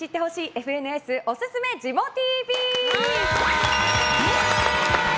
ＦＮＳおすすめジモＴＶ。